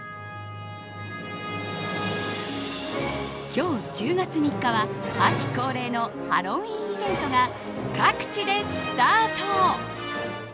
今日、１０月３日は秋恒例のハロウィーンイベントが各地でスタート。